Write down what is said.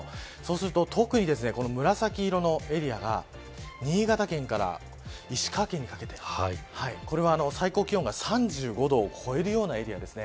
特に紫色のエリアが新潟県から石川県にかけてこれは最高気温が３５度を超えるようなエリアです。